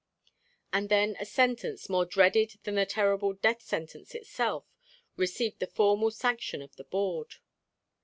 And then a sentence, more dreaded than the terrible death sentence itself, received the formal sanction of the Board.